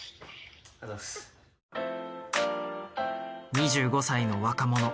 ２５歳の若者。